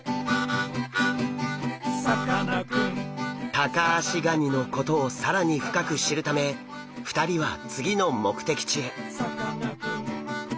タカアシガニのことを更に深く知るため２人は次の目的地へ！